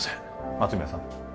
松宮さん